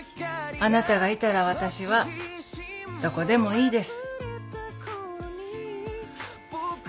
あなたがいたらどこでもいいです。